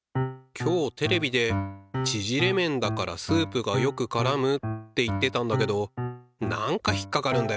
今日テレビで「ちぢれ麺だからスープがよくからむ」って言ってたんだけどなんか引っかかるんだよなあ。